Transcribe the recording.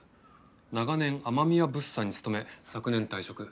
長年雨宮物産に勤め昨年退職。